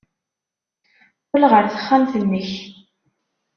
Qqel ɣer texxamt-nnek.